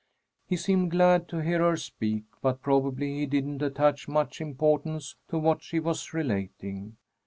He seemed glad to hear her speak, but probably he didn't attach much importance to what she was relating.